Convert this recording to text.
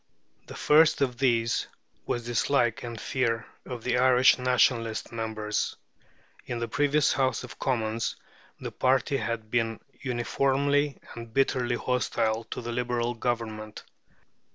The first of these was dislike and fear of the Irish Nationalist members. In the previous House of Commons this party had been uniformly and bitterly hostile to the Liberal Government.